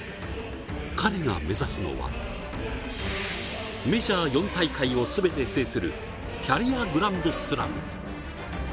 彼が目指すのはメジャー４大会を全て制するキャリアグランドスラム。